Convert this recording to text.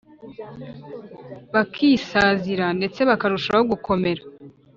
bakisāzira ndetse bakarushaho gukomera’